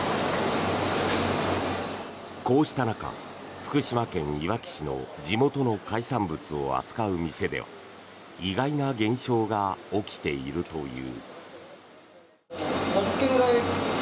こうした中、福島県いわき市の地元の海産物を扱う店では意外な現象が起きているという。